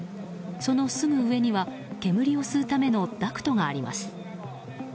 そのすぐ上には煙を吸うためのダクトがあります。